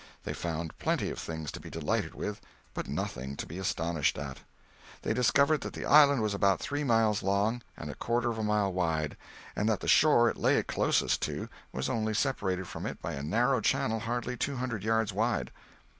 They found plenty of things to be delighted with, but nothing to be astonished at. They discovered that the island was about three miles long and a quarter of a mile wide, and that the shore it lay closest to was only separated from it by a narrow channel hardly two hundred yards wide.